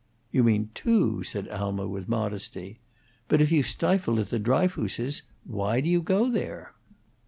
"You mean two," said Alma, with modesty. "But if you stifle at the Dryfooses', why do you go there?"